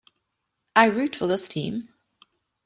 I root for this team.